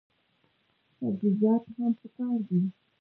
سبزیجات هم پکار دي.